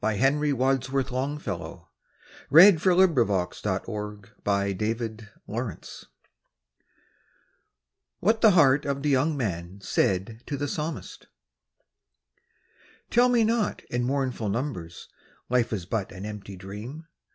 Henry Wadsworth Longfellow A Psalm of Life What the heart of the young man said to the psalmist TELL me not, in mournful numbers, Life is but an empty dream!